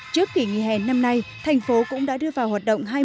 trước kỷ nghị hè năm nay thành phố cũng đã đưa vào hoạt động hai mươi